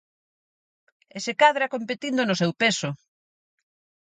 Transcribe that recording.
E se cadra competindo no seu peso.